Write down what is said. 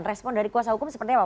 respon dari kuasa hukum seperti apa